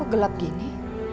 kok gelap gini